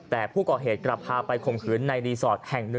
แต่ผู้ก่อเหตุกลับไปคมถึงในรีสอร์สแห่ง๑